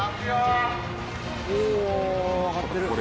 おお上がってる。